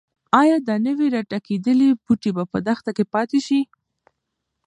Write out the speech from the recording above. ایا د نوي راټوکېدلي بوټي به په دښته کې پاتې شي؟